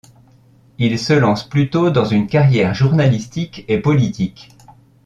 Il se lance plutôt dans une carrière journalistique et politique.